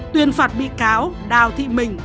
tuyên phạt bị cáo đào thị mình